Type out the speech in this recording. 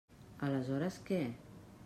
Aleshores, què?